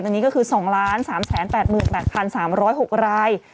ตอนนี้ก็คือ๒๓๘๘๓๐๖ราย